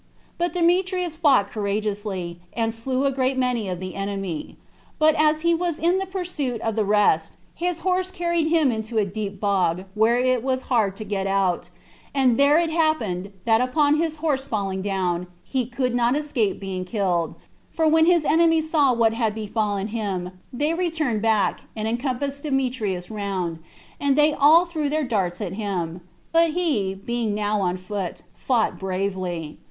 But Demetrius fought courageously, and slew a great many of the enemy; but as he was in the pursuit of the rest, his horse carried him into a deep bog, where it was hard to get out, and there it happened, that upon his horse's falling down, he could not escape being killed; for when his enemies saw what had befallen him, they returned back, and encompassed Demetrius round, and they all threw their darts at him; but he, being now on foot, fought bravely.